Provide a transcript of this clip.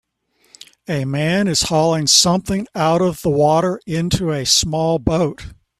A man is hauling something out of the water into a small boat